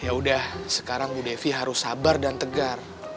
ya udah sekarang bu devi harus sabar dan tegar